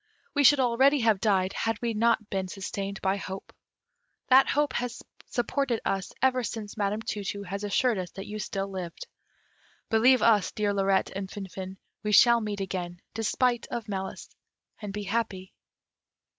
We should already have died, had we not been sustained by hope. That hope has supported us ever since Madam Tu tu has assured us that you still lived. Believe us, dear Lirette and Finfin, we shall meet again, despite of malice, and be happy."